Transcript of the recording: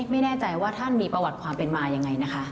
ไม่แน่ใจว่าท่านมีประวัติความเป็นมายังไงนะคะ